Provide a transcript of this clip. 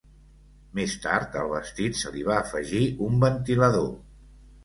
Més tard al vestit se li va afegir un ventilador.